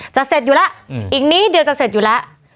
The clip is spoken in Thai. เสร็จอยู่แล้วอีกนิดเดียวจะเสร็จอยู่แล้ว